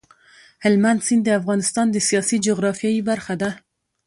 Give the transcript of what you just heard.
هلمند سیند د افغانستان د سیاسي جغرافیې برخه ده.